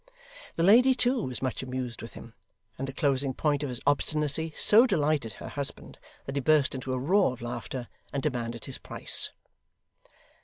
The lady too, was much amused with him; and the closing point of his obstinacy so delighted her husband that he burst into a roar of laughter, and demanded his price.